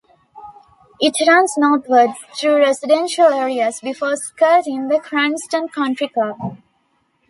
It runs northward through residential areas before skirting the Cranston Country Club.